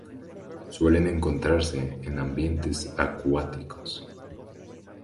Suele encontrarse en ambientes acuáticos.